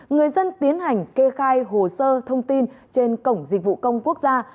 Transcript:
người dân tiến hành kê khai hồ sơ thông tin trên cổng dịch vụ công quốc gia